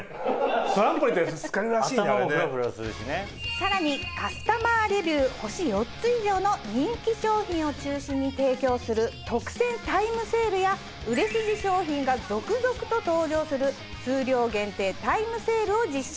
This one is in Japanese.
さらにカスタマーレビュー星４つ以上の人気商品を中心に提供する特選タイムセールや売れ筋商品が続々と登場する数量限定タイムセールを実施。